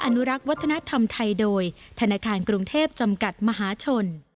อนุรักษ์วัฒนธรรมไทยโดยธนาคารกรุงเทพจำกัดมหาชน